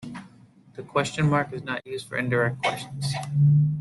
The question mark is not used for indirect questions.